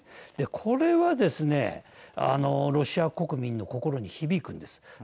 これはですねロシア国民の心に響くんです。